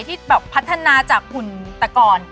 ที่แบบพัฒนาจากหุ่นแต่ก่อน